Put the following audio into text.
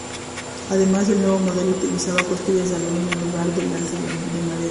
Además, el nuevo modelo utilizaba costillas de aluminio en lugar de las de madera.